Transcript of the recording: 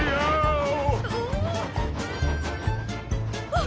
ああ！